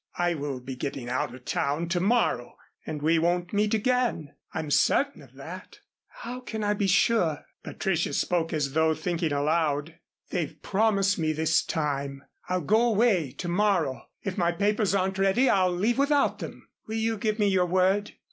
I will be getting out of town to morrow and we won't meet again. I'm certain of that." "How can I be sure?" Patricia spoke as though thinking aloud. "They've promised me this time. I'll go away to morrow. If my papers aren't ready I'll leave without them." "Will you give me your word?"